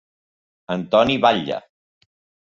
Antoni Batlle.